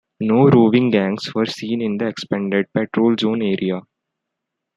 No roving gangs were seen in the expanded patrol zone area.